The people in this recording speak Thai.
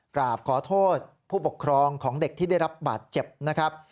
กราบขอโทษผู้ปกครองของเด็กที่ได้รับบาดเจ็บนะครับ